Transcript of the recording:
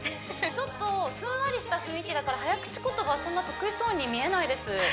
ちょっとフンワリした雰囲気だから早口言葉そんな得意そうに見えないです